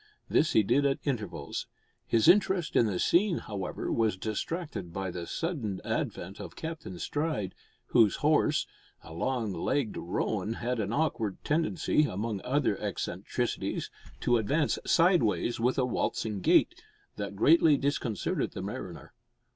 This he did at intervals. His interest in the scene, however, was distracted by the sudden advent of Captain Stride, whose horse a long legged roan had an awkward tendency, among other eccentricities, to advance sideways with a waltzing gait, that greatly disconcerted the mariner.